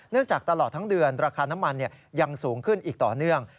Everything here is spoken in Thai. จากตลอดทั้งเดือนราคาน้ำมันยังสูงขึ้นอีกต่อเนื่อง